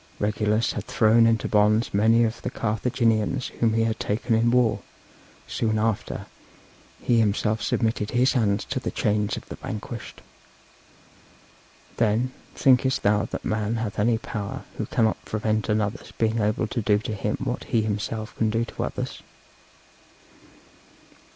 Regulus had thrown into bonds many of the Carthaginians whom he had taken in war; soon after he himself submitted his hands to the chains of the vanquished. Then, thinkest thou that man hath any power who cannot prevent another's being able to do to him what he himself can do to others?